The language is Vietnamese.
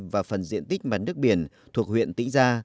và phần diện tích mắn đức biển thuộc huyện tĩnh gia